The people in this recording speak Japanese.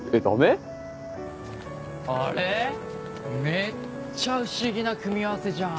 めっちゃ不思議な組み合わせじゃん。